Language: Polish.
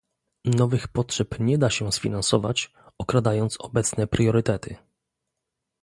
Nowych potrzeb nie da się sfinansować, okrajając obecne priorytety